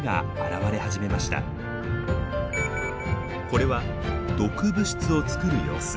これは毒物質を作る様子。